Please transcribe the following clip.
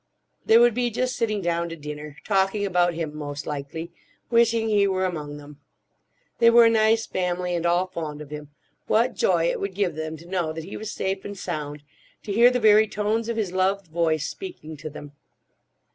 They would be just sitting down to dinner, talking about him, most likely; wishing he were among them. They were a nice family and all fond of him. What joy it would give them to know that he was safe and sound; to hear the very tones of his loved voice speaking to them!